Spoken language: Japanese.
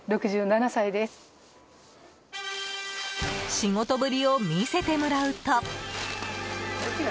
仕事ぶりを見せてもらうと。